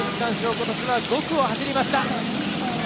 ことしは５区を走りました。